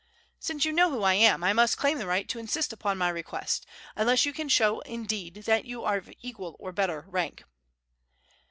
"Since you know who I am, I must claim the right to insist upon my request, unless you can show, indeed, that you are of equal or better rank."